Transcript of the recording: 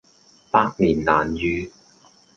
百年難遇